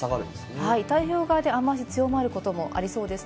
太平洋側で雨足、強まることもありそうです。